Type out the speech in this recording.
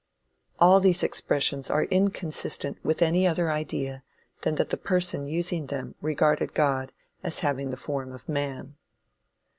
All these expressions are inconsistent with any other idea than that the person using them regarded God as having the form of man.